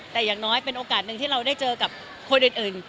แต่อย่างน้อยเป็นโอกาสหนึ่งที่เราได้เจอกับคนอื่น